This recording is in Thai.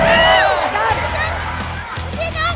อาจารย์